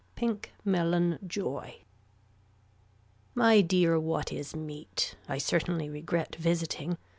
PINK MELON JOY My dear what is meat. I certainly regret visiting.